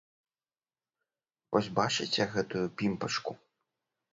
Вось бачыце гэтую пімпачку?